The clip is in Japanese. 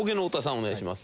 お願いします。